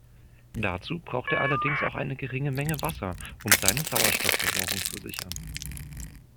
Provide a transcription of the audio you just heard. Dazu braucht er allerdings auch eine geringe Menge Wasser, um seine Sauerstoffversorgung zu sichern.